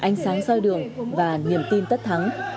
chơi đường và niềm tin tất thắng